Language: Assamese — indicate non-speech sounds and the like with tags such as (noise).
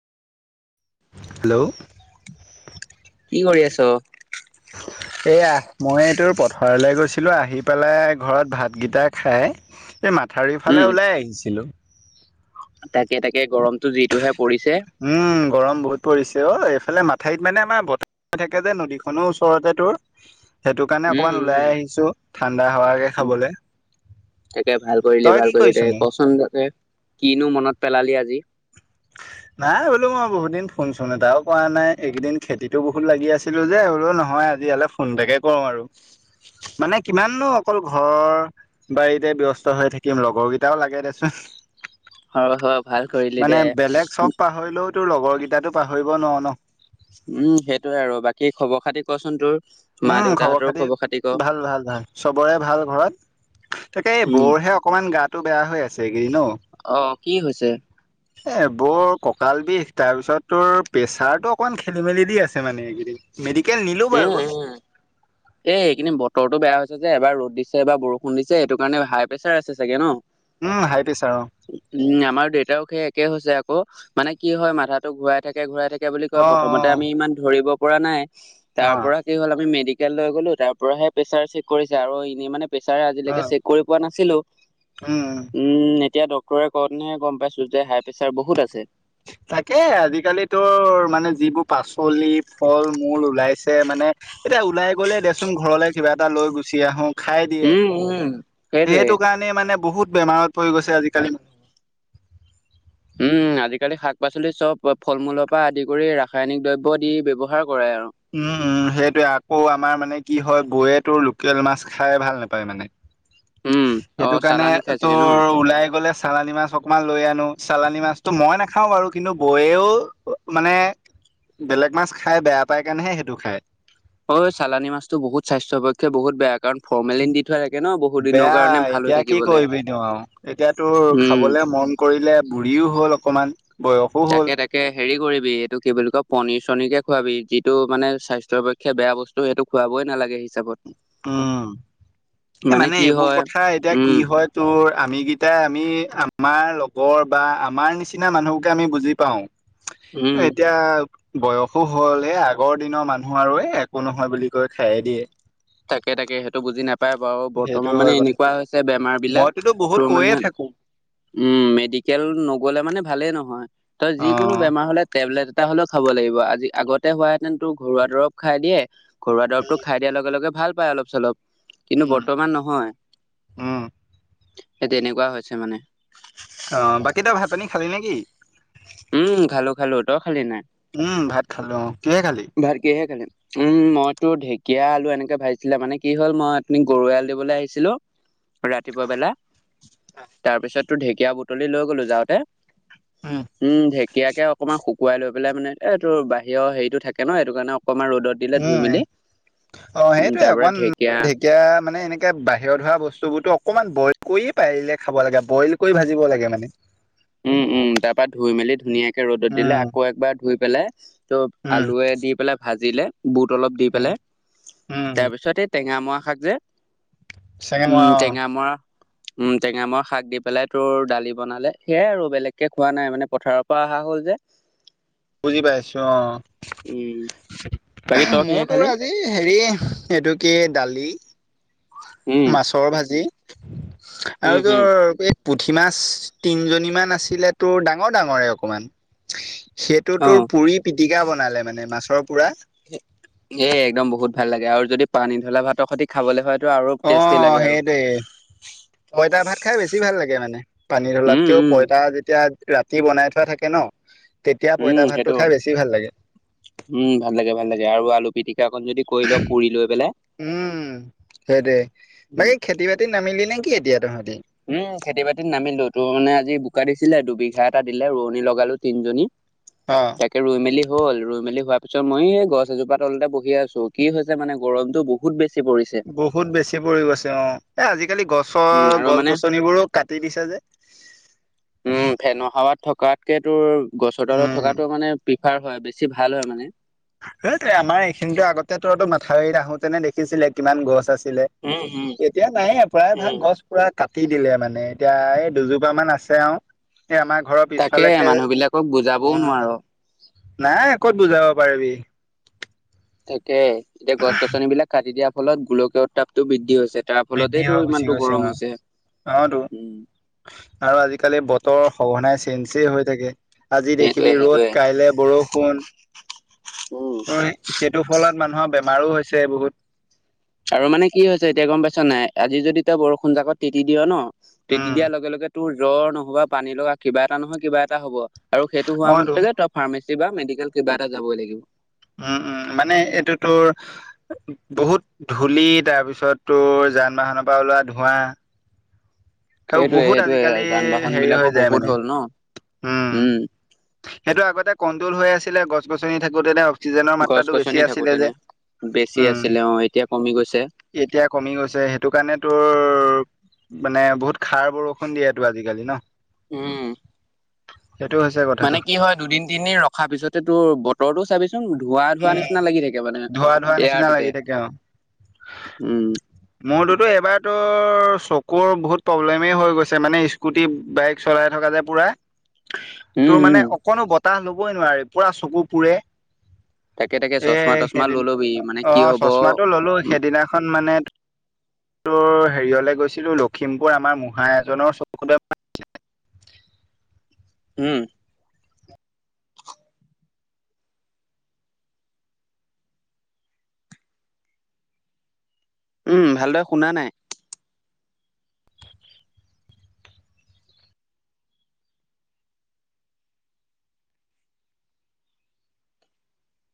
হেল্ল'? কি কৰি আছ? (inaudible) এয়া, মই এইটোৰ পথাৰলৈ গৈছিলো, আহি পেলাই ঘৰত ভাতগিটা খাই এই মাথাউৰিৰ উম, ফালে ওলাই আহিছিলোঁ। তাকে তাকে গৰমটো যিটোহে পৰিছে। উম গৰম বহুত পৰিছে অ, এইফালে মাথাউৰিত মানে আমাৰ বতাহ থাকে যে নদীখনৰ ওচৰতে তোৰ। সেইটো কাৰণে উম, অকমান উম, ওলাই উম, আহিছো ঠাণ্ডা হাৱাকে উম খাবলে। তাকে ভাল কৰিলি তই কি ভাল কৰিলি তে, কৰিছনো কচোন তাকে কিনো মনত পেলালি আজি? (inaudible) নাই বোলো মই বহুত দিন ফোন-চোন এটাও কৰা নাই এইকেইদিন খেতিতো বহুত লাগি আছিলো যে বোলো নহয় আজি ইয়ালৈ ফোনটাকে কৰো আৰু মানে কিমাননো অকল ঘৰ বাৰীতে ব্যস্ত হৈ থাকিম লগৰ কেইটাও লাগে দেচোন। হয় হ ভাল কৰিলি মানে দে। বেলেগ চব পাহৰিলেও তোৰ লগৰকেইটাটো পাহৰিব নোৱাৰ ন? উম সেইটোয়ে আৰু বাকী খবৰ খাতি কচোন তোৰ? মা মোৰ খবৰ দেউতাহঁতৰো খাতি ক। ভাল - ভাল - ভাল, চবৰে ভাল ঘৰত। তাকে এই উম, বৰহে অকমান গাটো বেয়া হৈ আছে এইকেইদিন অ। অ', কি হৈছে? এ বৰ কঁকাল বিষ তাৰপিছত তোৰ প্ৰেচাৰটো অকমান খেলি - মেলি দি আছে মানে এইকেইদিন। মেডিকেল নিলো উম, বাৰু। উম। এই এইখিনি বতৰটো বেয়া হৈছে যে এবাৰ ৰ'দ দিছে, এবাৰ বৰষুণ দিছে এইটো কাৰণে হাই প্ৰেছাৰ আছে চাগে ন? উম হাইপেছাৰ অ। উম, আমাৰ দেউতাও সেই একে হৈছে আকৌ মানে কি হয় মাথাটো ঘূৰাই থাকে ঘূৰাই থাক কে বুলি কয়, অ অ প্ৰথমতে আমি ইমান ধৰিব পৰা নাই তাৰ পৰা অ কি হ'ল, আমি মেডিকেল লৈ গ'লো, তাৰ পৰাহে প্ৰেছাৰ চেক কৰিছে, আৰু এনেই মানে প্ৰেচাৰ অ আজিলৈকে চেক কৰি পোৱা নাছিলোঁ। উম। উম, এতিয়া ডক্তৰে কওঁতেনেহে গম পাইছোঁ যে হাই প্ৰেছাৰ বহুত আছে। তাকে, আজিকালি তোৰ মানে যিবোৰ পাচলি, ফল-মূল ওলাইছে মানে এতিয়া ওলাই গ'লে দেচোন ঘৰলে কিবা এটা লৈ গুচি আহোঁ খাই দিয়ে, উম উম সেইটোৱে সেইটোকাৰণেই মানে বহুত বেমাৰত পৰি গৈছে আজিকালি মানুহ। উম, আজিকালি শাক-পাচলি চব ফল-মূলৰ পৰা আদি কৰি ৰাসায়নিক দ্ৰব্য দি ব্যৱহাৰ কৰে আৰু। উম উম, সেইটোৱেই, আকৌ আমাৰ মানে কি হয় বৌৱে তোৰ লোকেল মাছ খাই ভাল নাপায় মানে। উম অ সেইটোকাৰণে চালানি খাই চাগে ন তোৰ ওলাই গ'লে চালানি মাছ অক অকমান লৈ আনো, চালানি মাছটো মই নাখাওঁ বাৰু, কিন্তু বৈয়েও মানে বেলেগ মাছ খাই বেয়া পাই কাৰণেহে সেইটো খায়। অ', চালানী মাছটো বহুত স্বাস্থ্যৰ পক্ষে বহুত বেয়া, কাৰণ ফৰ্মেলিন দি থোৱা থাকে ন বহুত দিনৰ কাৰণে বেয়াই, ভাল হৈ এতিয়া কি থাকিবলৈ কৰিবিনো আৰু এতিয়া তোৰ উম খাবলে মন কৰিলে, বুঢ়ীও হ'ল অকমান, বয়স তাকে তাকে, হেৰি কৰিবি এইটো কি বুলি কয় পনীৰ-চনীৰকে খোৱাবি, যিটো মানে স্বাস্থ্যৰ পক্ ক্ষে বেয়া বস্তু, সেইটো খুৱাবই নালাগে হিচাপত। উম, এ মানে কি এইবোৰ হয় কথা এতিয়া কি উম হয় তোৰ আমিকেইটাই, আমি আমাৰ লগৰ বা আমাৰ নিচিনা মানুহবোকে আমি বুজি পাওঁ। এ উম এতিয়া বয়সো হ'ল, এ আগৰ দিনৰ মানুহ আৰু এই একো নহয় বুলি কৈ খায়েই দিয়ে। তাকে তাকে, সেইটো বুজি নাপ পায় বাৰু, সেইটো বৰ্তমান মানে হয় কথা এনেকুৱা হৈছে বেমাৰ বিলাক, মইতোতো বহুত তোৰ কৈয়ে মানে থাকো উম, মেডিকেল নগ'লে মানে ভালেই নহয়, তই অ যিকোনো বেমাৰ হ'লে টেবলেট এটা হ'লেও খাব লাগিব, আজি-আগতে হোৱাহেতেন তোৰ ঘৰুৱা দৰৱ খাই দিয়ে ঘৰুৱা দৰৱটো খাই দিয়াৰ লগে লগে ভাল পায় অলপ-চলপ, কিন্তু উম বৰ্তমান নহয়। উম সেই তেনেকুৱা হৈছে মানে। অ', বাকী তই ভাত পানী খালি নে কি? উম, খালোঁ খালোঁ, তই খালি নাই? উম, ভাত খালোঁ অ', কিহে খালি? ভাত কিহে খালি? উম, মই তোৰ ঢেঁকীয়া, আলু এনেকে ভাজিছিলে, মানে কি হ'ল মই অথনি গৰু এৰাল দিবলৈ আহিছিলোঁ (inaudible) ৰাতিপুৱা বেলা, তাৰপিছত তোত ঢেঁকীয়া বুটলি লৈ গ'লো যাওঁতে। উম, ঢেঁকীয়াকে অকমান শুকুৱাই লৈ পেলাই মানে এই তোৰ বাহিৰৰ হেৰিটো কে নহয়, সেইটোকাৰণে অকমান ৰ'দত দিলে ধুই উম, মেলি অ', উম সেইটোৱে তাৰ পৰা অকমান ঢেকীয়া ঢেঁক এতিয়া মানে এনেকে বাহিৰত হোৱা বস্তুবোৰতো অকমান বইল কৰিয়ে পাৰিলে খাব লাগে, বইল কৰি ভাঁজিব লাগে মানে। উম উম, তাৰপৰা ধুই মেলি ধুনীয়াকে ৰ'দত দিলে, উম আকৌ একবাৰ ধুই পেলাই ত' উম, আলুৱে দি পেলাই ভাঁজিলে, বুট অলপ দি উম, পেলাই উম, তাৰপিছত এই টেঙামৰা শাক যে, চাগে মই উম, অ', টেঙামৰা উম, টেঙামৰা শাক দি পেলাই তোৰ দালি বনালে। সেয়াই আৰু বেলেগকে খোৱা নাই, মানে পথাৰৰ পৰা অহা হ'ল যে। বুজি পাইছোঁ অ', উম বাকী তই কিহে মইও খালি তোৰ আজি এই হেৰি, এইটো কি দালি উম মাছৰ ভাজি উম আৰু তোৰ হম এই পুঠি মাছ তিনজনীমান আছিলে তোৰ ডাঙৰ, ডাঙৰে অকমান। সেইটো অ তোৰ পুৰি পিটিকা বনালে মানে মাছৰ পুৰা। এ একদম বহুত ভাল লাগে আৰু যদি পানী ঢলা ভাতৰ সৈতি খাবলৈ হয়তো আৰু টেষ্টি লাগে অ', আৰু সেইটোৱে পইতা ভাত খাই বেছি ভাল লাগে মানে পানী উম ঢলাতকেও উম পইতা যেতিয়া ৰা তি বনাই থোৱা থাকে ন তেতিয়া উম পইতা ভাতটো সেইটো খাই বেছি ভাল লাগে। উম, ভাল লাগে, ভাল লাগে আৰু আলু পিটিকা অকণ যদি কৰি ল পুৰি লৈ পেলাই উম, সেইটোৱে উম এই খেতি বাত খেতি নামিলি নেকি এতিয়া তহঁতি। উম খেতি বাতিত নামিলো তোৰ মানে আজি বোকা দিছিলে দুবিঘা এটা দিলে ৰোৱনী লগালো তিনজনী অ'। তাকে ৰুই মেলি হ'ল ৰুই মেলি হোৱাৰ পিছত মই এই গছ এজোপাৰ তলতে বহি আছোঁ কি হৈছে মানে গৰমটো বহু বহুত বেছি পৰিছে। বহুত বেছি পৰি গৈছে অ', এ আজিকালি উম গছৰ আৰু গছ মানে গছনিবোৰো কাটি দিছে যে উম ফেন হাৱাত থকাতকে তোৰ গছৰ তলত উম থকাতো মানে (unintelligible) হয় বেছি ভাল হয় মানে। সেয়েটো আমাৰ এইখিনিতে আগতে তঁহতে মাথাউৰিত আহোতেনে দেখিছিলে কিমান গছ আছিলে। উম উম এতিয়া নাইে প্ৰায় উম ভাগ গছ পুৰা কাটি দিলে মানে, এতিয়া এই দুজোপা মান আছে, আও এই আমাৰ ঘৰত। তাকে মানুহ বিলাকক বুজাবও নোৱাৰো। নাই ক'ত বুজাব পাৰিবি। থাকে, এতিয়া গছ গছনি বিলাক কাটি দিয়াৰ ফলত গোলকীয় উত তাপটো বৃদ্ধি হৈছে। তাৰ বৃদ্ধি ফলতেইতটো হৈ গুচি ইমানতটো গৈছে গৰম অ হৈছে, অতো উম। আৰু আজিকালি বতৰ সঘনাই চেঞ্জ হৈ থাকে। আজি সেইটোয়ে দেখিবি ৰ'দ, সেইটোয়ে কাইলে বৰষুণ। উম সেইটো ফলত মানুহৰ বেমাৰো হৈছে বহুত। আৰু মানে কি হৈছে এতিয়া গ'ম পাইছ নাই, আজি যদি তই বৰষুণ জাকত তেতি দিয় ন, তিতি উম। দিয়াৰ লগে, লগে তোৰ জ্বৰ নহবা পানী লগা, কিবা এটা নহয় কিবা এটা হ'ব, আৰু সেইটো হোৱা অতো মতেকে ত ফাৰ্মাচী বা মেডিকেল কিবা এটা যাবই লাগিব। উম, উম মানে এইটো তোৰ বহুত ধূলি তাৰপিছত তোৰ যান বাহনৰ পৰা ওলোৱা ধোঁৱা আৰু সেইটোয়ে বহুত সেইটোয়ে আজিকালি যান বাহন হেৰি বিলাকো হৈ যায় বহুত মানে হ'ল ন উম। সেইটো আগতে কন্ত্ৰল হৈ আছিলে গছ, গছনি থাকোঁতে গছ, গছনি থাকোতেনে বেছি উম আছিলে অ', এতিয়া কমি গৈছে। এতিয়া কমি গৈছে, সেইটো কাৰণে তোৰ মানে বহুত খাৰ বৰষুণ দিয়ো টো আজিকালি ন। উম। সেইটো হৈছে। কথাটো মানে কি হয়, দুদিন, তিনদিন ৰখাৰ পিছতে তোৰ বতৰৰতো চাবিচোন একদম, ধোৱা, ধোৱা নিচিনা লাগি থাকে মানে ধোৱা ধোৱা নিচিনা এয়াৰটোতে লাগি থাকে অ উম। মোৰতোতো এবাৰতো চকুৰ বহুত প্ৰব্লেমে হৈ গৈছে মানে স্কুটি, বাইক চলাই থকা যে পুৰা উম তোৰ উম মানে অকণো বতাহ লবই নোৱাৰি পুৰা চকু পুৰে। তাকে তাকে চচমা এ' তচমা সেইদিন লৈ লবি মানে কি অঁ', হব -চচমাটো ল'লো উ সেইদিনাখন মানে- তোৰ হেৰিয়লে গৈছিলো, লখিমপুৰ আমাৰ মহা এজনৰ চকুত উমঁ। উমঁ, ভালদৰে শুনা নাই?